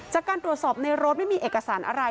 จากการตรวจสอบในรถไม่มีเอกสารอะไร